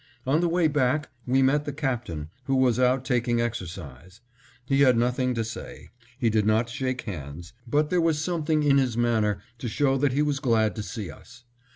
On the way back, we met the Captain, who was out taking exercise. He had nothing to say; he did not shake hands, but there was something in his manner to show that he was glad to see us.